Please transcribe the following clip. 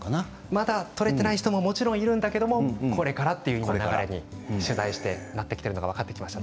まだ取れていない人ももちろんいるんだけどこれからということに取材して分かってきました。